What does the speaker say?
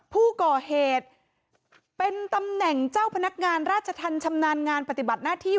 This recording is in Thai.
ผู้ก่อเหตุเป็นตำแหน่งเจ้าพนักงานราชธรรมชำนาญงานปฏิบัติหน้าที่